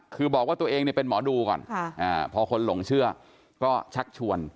คือบอกว่าตัวเองเป็นหมอดูก่อนพอคนหลงเชื่อก็ชักชวน